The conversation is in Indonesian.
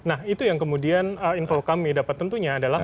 nah itu yang kemudian info kami dapat tentunya adalah